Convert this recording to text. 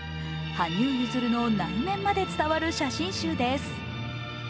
羽生結弦の内面まで伝わる写真集です。